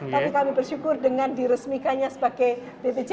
tapi kami bersyukur dengan diresmikannya sebagai bpjs